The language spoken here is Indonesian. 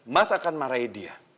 mas akan marahi dia